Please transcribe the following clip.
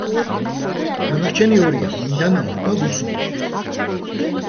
დანარჩენი ორია: მინდანაო და ლუსონი.